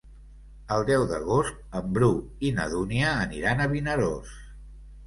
El deu d'agost en Bru i na Dúnia aniran a Vinaròs.